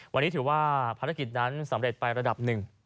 วันนี้ถือว่าภารกิจนั้นสำเร็จไประดับหนึ่ง